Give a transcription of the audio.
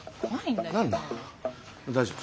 大丈夫。